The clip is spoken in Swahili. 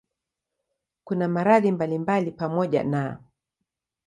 Kuna maradhi mbalimbali pamoja na